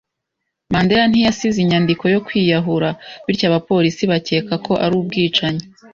Mandera ntiyasize inyandiko yo kwiyahura, bityo abapolisi bakeka ko ari ubwicanyi.